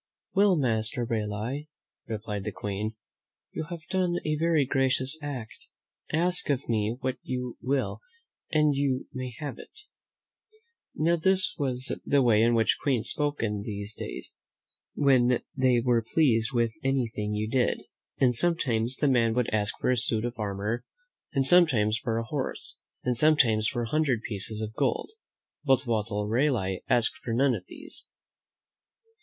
"Well, Master Raleigh," replied the Queen, "you have done a very gracious act. Ask of me what you will and you may have it." Now, this was the way in which queens spoke in those days when they were pleased with any thing you did; and sometimes the man would ^StS'v^' r'«r/ i)y' \mM ( Mri 94 THE BOY WHO LOVED THE SEA :^;f ,* ask for a suit of armor, and sometimes for a horse, and sometimes for a hundred pieces of gold. But Walter Raleigh asked for none of these.